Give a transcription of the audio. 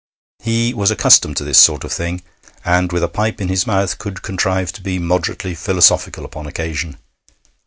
He was accustomed to this sort of thing, and with a pipe in his mouth could contrive to be moderately philosophical upon occasion.